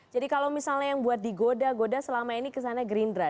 jadi kalau misalnya yang buat digoda goda selama ini kesannya gerindra